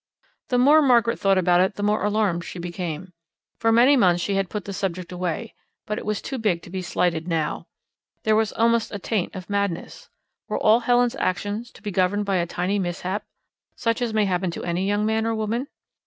The more Margaret thought about it the more alarmed she became. For many months she had put the subject away, but it was too big to be slighted now. There was almost a taint of madness. Were all Helen's actions to be governed by a tiny mishap, such as may happen to any young man or woman?